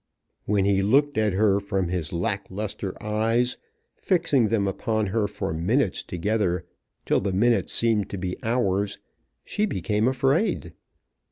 When he looked at her from his lack lustre eyes, fixing them upon her for minutes together, till the minutes seemed to be hours, she became afraid.